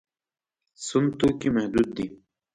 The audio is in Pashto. سون توکي محدود دي.